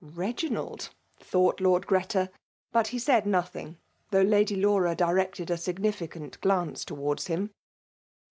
" Reginald F — thought Lord Greta; but he said nothing, though Lady Laura directed a significant glance towards him.